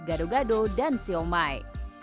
adok adok dan siomay